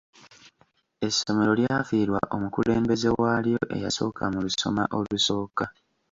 Essomero lyafiirwa omukulembeze walyo eyasooka mu lusoma olusooka.